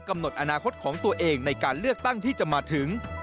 กำหนดอนาคตของตัวเองในการเลือกตั้งที่จะมาถึง